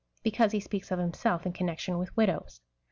ZoO because he speaks of himself in connection with widows.